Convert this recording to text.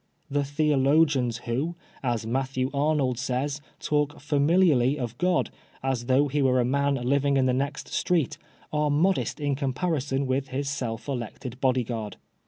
The theologians who, as Matthew Arnold says, talk familiarly of God, as though he were a man living in the next street, are modest in comparison with his self elected body guard.